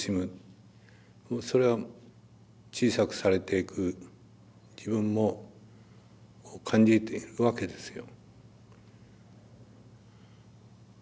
それは小さくされていく自分も感じているわけですよ。